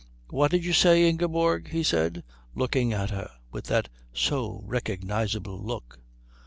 "What did you say, Ingeborg?" he said, looking at her with that so recognisable look.